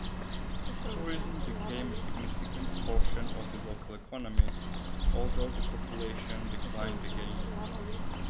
Tourism became a significant portion of the local economy, although the population declined again.